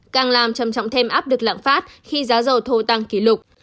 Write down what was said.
càng làm trầm trọng thêm áp lực lãng phát khi giá dầu thô tăng kỷ lục